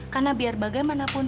karena biar bagaimanapun